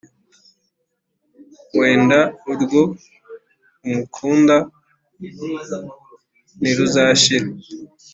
Wenda urwo umukunda ntiruzashira